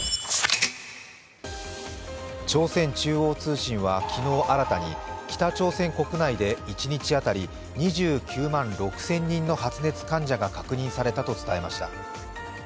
朝鮮中央通信は昨日新たに北朝鮮国内で一日当たり２９万６０００人の発熱患者が確認されたと伝えました。